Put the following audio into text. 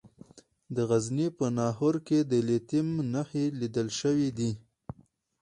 د غزني په ناهور کې د لیتیم نښې لیدل شوي دي.